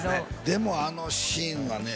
でもあのシーンはね